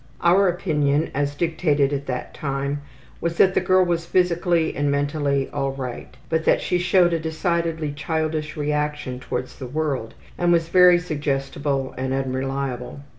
Our opinion as dictated at this time was that the girl was physically and mentally all right, but that she showed a decidedly childish reaction towards the world and was very suggestible and unreliable.